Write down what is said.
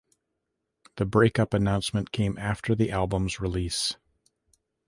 The break-up announcement came after the album's release.